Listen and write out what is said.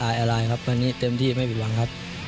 อาลายครับทีนี้เป็นที่ไม่ผิดหวังครับ